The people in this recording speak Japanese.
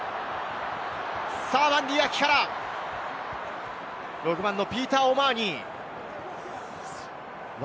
バンディー・アキからピーター・オマーニー。